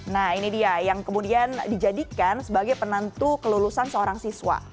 nah ini dia yang kemudian dijadikan sebagai penentu kelulusan seorang siswa